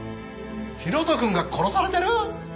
広斗くんが殺されてる！？